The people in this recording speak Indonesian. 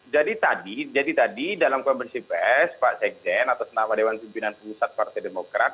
jadi tadi jadi tadi dalam konversi ps pak sekjen atau senat wadewan subinan pusat partai demokrat